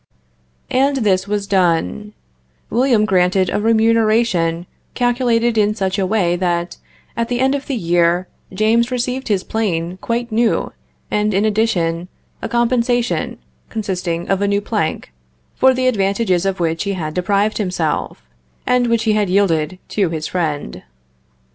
And this was done thus: William granted a remuneration calculated in such a way that, at the end of the year, James received his plane quite new, and in addition, a compensation, consisting of a new plank, for the advantages of which he had deprived himself, and which he had yielded to his friend.